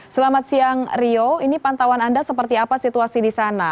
selamat siang rio ini pantauan anda seperti apa situasi di sana